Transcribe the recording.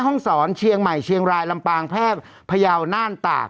ห้องศรเชียงใหม่เชียงรายลำปางแพพัยาวนรป่า